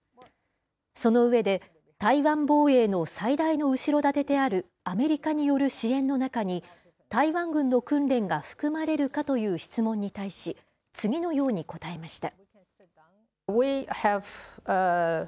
その上で、台湾防衛の最大の後ろ盾であるアメリカによる支援の中に、台湾軍の訓練が含まれるかという質問に対し、次のように答えました。